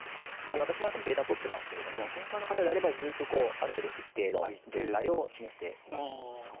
私なんかもデータを取ってますが健康な方であればある程度、一定の状態を示しています。